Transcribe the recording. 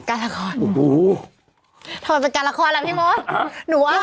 การละครโอ้โหทำไมเป็นการละครล่ะพี่มดหนูอ่ะ